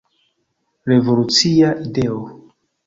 Revolucia ideo.